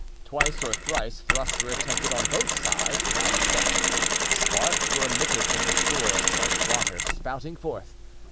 Twice or thrice thrusts were attempted on both sides, without effect; sparks were emitted from the swords like water spouting forth.